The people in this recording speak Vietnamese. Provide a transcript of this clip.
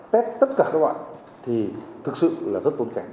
test tất cả các loại thì thực sự là rất tốn kẻ